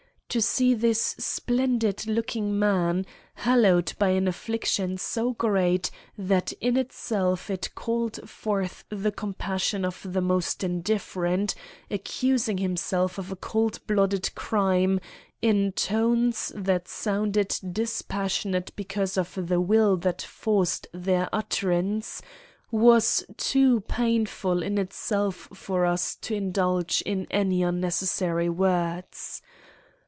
To see this splendid looking man, hallowed by an affliction so great that in itself it called forth the compassion of the most indifferent, accusing himself of a cold blooded crime, in tones that sounded dispassionate because of the will that forced their utterance, was too painful in itself for us to indulge in any unnecessary words.